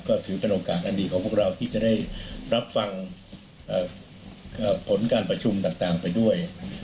ก็ถือเป็นโอกาสอันดีของพวกเราที่จะได้รับฟังผลการประชุมต่างไปด้วย